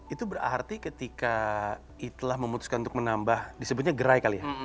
itu berarti ketika itlah memutuskan untuk menambah disebutnya gerai kali ya